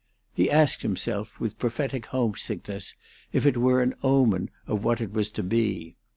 He asked himself, with prophetic homesickness, if it were an omen of what was to be.